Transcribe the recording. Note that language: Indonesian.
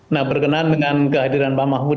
nah berkenan dengan kehadiran pak mahfud